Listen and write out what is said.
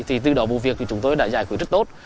thì từ đó vụ việc thì chúng tôi đã giải quyết rất tốt